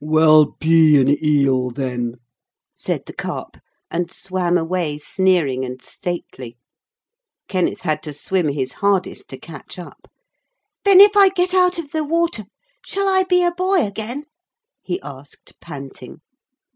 'Well, be an eel then,' said the Carp, and swam away sneering and stately. Kenneth had to swim his hardest to catch up. 'Then if I get out of the water, shall I be a boy again?' he asked panting.